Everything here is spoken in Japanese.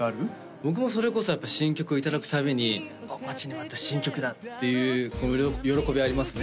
僕もそれこそやっぱ新曲を頂くたびにおっ待ちに待った新曲だっていう喜びはありますね